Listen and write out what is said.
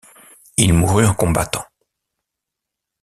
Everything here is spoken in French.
Il mourut en combattant.